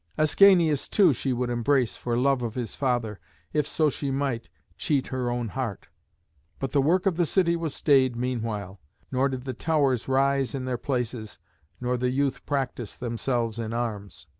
Ascanius, too, she would embrace for love of his father, if so she might cheat her own heart. But the work of the city was stayed meanwhile; nor did the towers rise in their places, nor the youth practise themselves in arms.